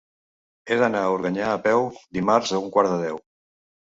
He d'anar a Organyà a peu dimarts a un quart de deu.